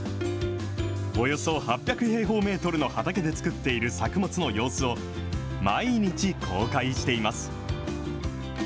およそ８００平方メートルの畑で作っている作物の様子を、毎日、公開しています。